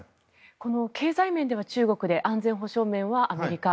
経済面では中国で安全保障面はアメリカ